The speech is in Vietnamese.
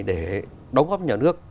để đóng góp nhà nước